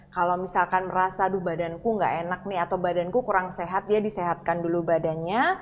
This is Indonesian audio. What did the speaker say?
kalau misalkan merasa aduh badanku gak enak nih atau badanku kurang sehat ya disehatkan dulu badannya